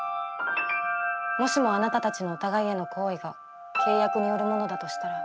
もしもあなたたちのお互いへの好意が契約によるものだとしたら。